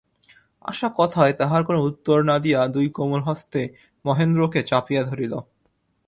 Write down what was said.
আশা কথায় তাহার কোনো উত্তর না দিয়া দুই কোমল হস্তে মহেন্দ্রকে চাপিয়া ধরিল।